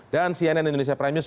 dan cnn indonesia prime news